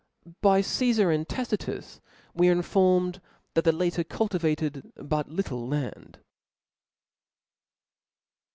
By Csefar and Tacitus we are informed, that the latter cultivated but littler land.